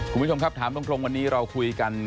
คุณผู้ชมครับถามตรงวันนี้เราคุยกัน